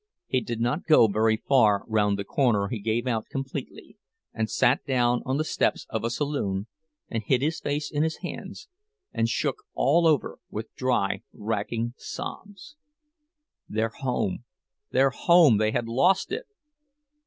He did not go very far round the corner he gave out completely, and sat down on the steps of a saloon, and hid his face in his hands, and shook all over with dry, racking sobs. Their home! Their home! They had lost it!